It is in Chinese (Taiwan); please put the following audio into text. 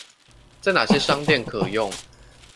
在哪些商店可用